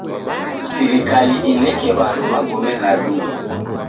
Sirikali ineke w'andu magome gha duu.